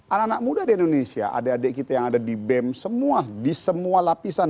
anak anak muda di indonesia adik adik kita yang ada di bem semua di semua lapisan